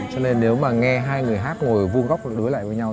cho nên nếu mà nghe hai người hát ngồi vung góc đối lại với nhau